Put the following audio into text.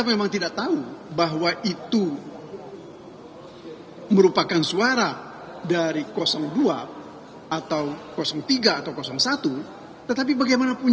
memang tidak tahu bahwa itu merupakan suara dari dua atau tiga atau satu tetapi bagaimanapun